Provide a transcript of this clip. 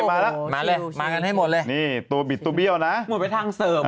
มาแล้วมาเลยมากันให้หมดเลยนี่ตัวบิดตัวเบี้ยวนะหมดไปทางเสริม